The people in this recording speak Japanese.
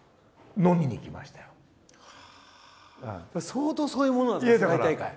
相当そういうものなんですか世界大会。